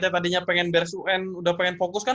yang tadinya pengen beres un udah pengen fokus kan